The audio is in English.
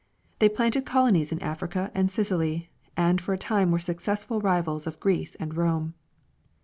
They planted colonies in Africa and Sicily, and for a time were successful rivals of Greece and Rome.